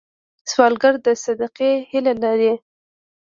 سوالګر د صدقې هیله لري